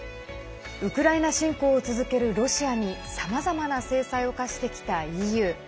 ウクライナ侵攻を続けるロシアにさまざまな制裁を科してきたＥＵ。